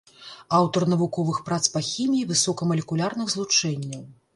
Аўтар навуковых прац па хіміі высокамалекулярных злучэнняў.